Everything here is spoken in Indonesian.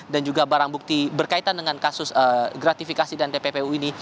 dan juga barang bukti berkaitan dengan kasus gratifikasi dan tppu ini